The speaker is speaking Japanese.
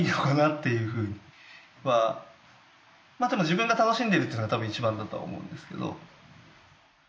自分が楽しんでいるっていうのが多分一番だとは思うんですけど。